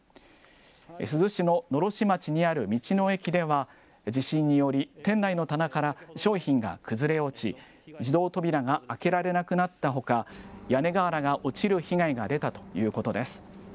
珠洲市の狼煙町にある道の駅では、地震により、店内の棚から商品が崩れ落ち、自動扉が開けられなくなったほか、屋根瓦が落ちる被害が出たということです。